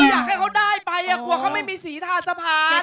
อยากให้เขาได้ไปกลัวเขาไม่มีสีทาสะพาน